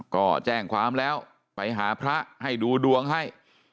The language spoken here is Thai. ก็แจ้งความแล้วไปหาพระให้ดูดวงให้